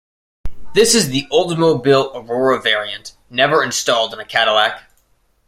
This is the Oldsmobile Aurora variant, never installed in a Cadillac.